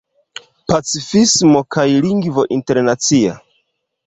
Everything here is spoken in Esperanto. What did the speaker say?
Pacifismo kaj Lingvo Internacia.